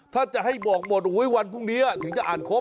ถ้าจะให้บอกหมดวันพรุ่งนี้ถึงจะอ่านครบ